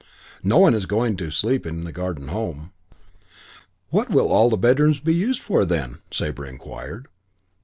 No one is going to sleep in the Garden Home." "What will all the bedrooms be used for then?" Sabre inquired.